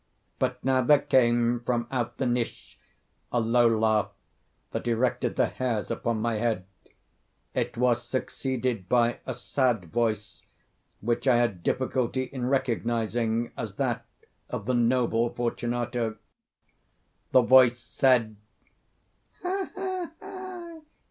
But now there came from out the niche a low laugh that erected the hairs upon my head. It was succeeded by a sad voice, which I had difficulty in recognising as that of the noble Fortunato. The voice said— "Ha! ha!